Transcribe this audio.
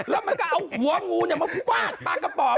แล้วมันก็เอาหัวงูมาฟาดปลากระป๋อง